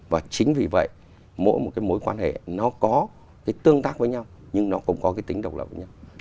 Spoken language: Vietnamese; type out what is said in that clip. và chính vì vậy mỗi một mối quan hệ nó có tương tác với nhau nhưng nó cũng có tính độc lập với nhau